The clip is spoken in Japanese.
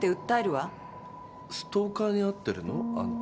ストーカーに遭ってるの？あんた。